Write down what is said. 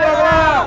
hei lighting raka